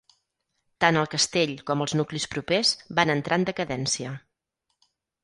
Tant el castell com els nuclis propers van entrar en decadència.